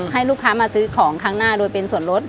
ให้ลูกค้ามาซื้อของข้างหน้าโดยเป็นส่วนลด